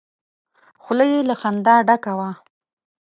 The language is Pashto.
خوله يې له خندا ډکه وه!